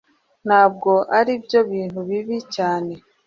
ntabwo aribyo bintu bibi cyane